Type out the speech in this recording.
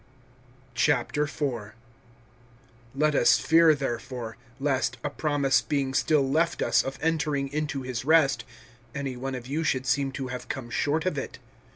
IV. LET us fear therefore, lest, a promise being still left us of entering into his rest, any one of you should seem to have come short of it.